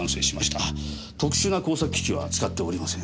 特殊な工作機器は使っておりません。